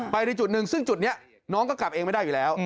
ไปในจุดหนึ่งซึ่งจุดนี้น้องก็กลับเองไม่ได้อยู่แล้ว